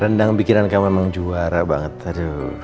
rendang pikiran kamu emang juara banget aduh